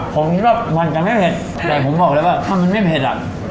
ผมคิดว่ามันจะไม่เผ็ดแต่ผมบอกเลยว่าถ้ามันไม่เผ็ดอ่ะ